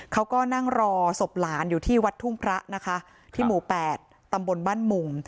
เขาก็นั่งรอศพหลานอยู่ที่วัดทุ่งพระนะคะที่หมู่๘ตำบลบ้านมุม